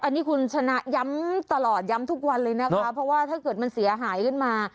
อันนี้คุณชนะย้ำตลอดย้ำทุกวันเลยนะคะเพราะว่าถ้าเกิดมันเสียหายขึ้นมา